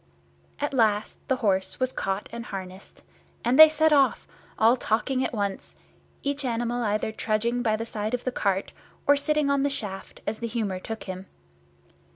At last the horse was caught and harnessed, and they set off, all talking at once, each animal either trudging by the side of the cart or sitting on the shaft, as the humour took him.